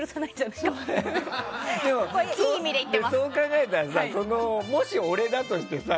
そう考えたらもし俺だとしてさ